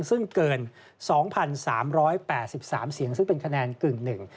ซึ่งเกิน๒๓๘๓เสียงซึ่งเป็นคะแนนกึ่งหนึ่ง